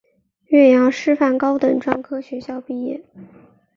岳阳师范高等专科学校毕业。